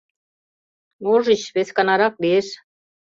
— Можыч, весканарак лиеш.